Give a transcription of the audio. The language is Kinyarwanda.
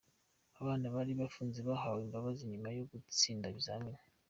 Abana bari bafunze bahawe imbabazi nyuma yo gutsinda ibizamini.